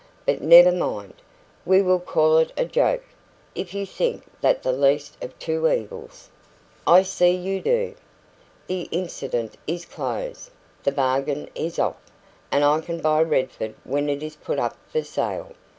But never mind. We will call it a joke, if you think that the least of two evils. I see you do. The incident is closed. The bargain is off. And I can buy Redford when it is put up for sale.